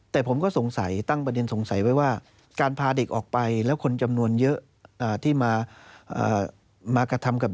แต่ผมก็สงสัยตั้งประเด็นสงสัยไว้ว่าการพาเด็กออกไปแล้วคนจำนวนเยอะที่มากระทำกับ